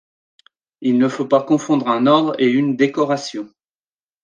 Il ne faut pas confondre un ordre et une décoration.